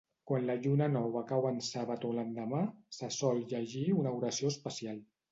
Quan la Lluna Nova cau en Sàbat o l'endemà, se sol llegir una oració especial.